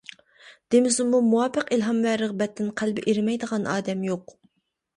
دېمىسىمۇ مۇۋاپىق ئىلھام ۋە رىغبەتتىن قەلبى ئېرىمەيدىغان ئادەم يوق.